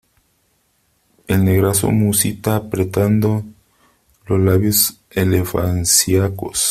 el negrazo musita apretando los labios elefancíacos :